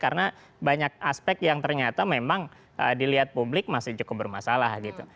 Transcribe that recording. karena banyak aspek yang ternyata memang dilihat publik masih cukup bermasalah gitu